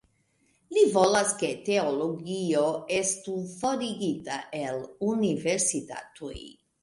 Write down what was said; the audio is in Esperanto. Li volas, ke teologio estu forigita el universitatoj.